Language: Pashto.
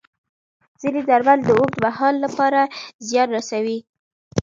ځینې درمل د اوږد مهال لپاره زیان رسوي.